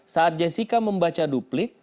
saat jessica membaca duplik